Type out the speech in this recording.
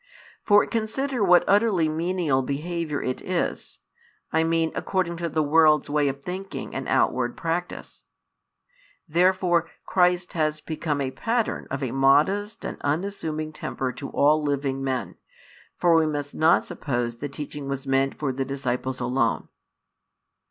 For consider what utterly menial behaviour it is, I mean according to the world's way of thinking and outward practice. Therefore Christ has become a Pattern of a modest and unassuming temper to all living men, for we must not suppose the teaching was meant for the disciples alone.